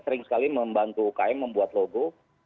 sering sekali membantu ukm membuat logo